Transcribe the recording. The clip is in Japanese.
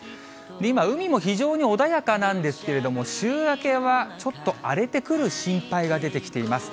今、海も非常に穏やかなんですけれども、週明けはちょっと荒れてくる心配が出てきています。